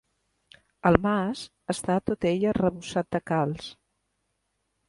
El mas està tot ell arrebossat de calç.